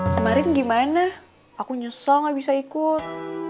kemarin gimana aku nyesel gak bisa ikut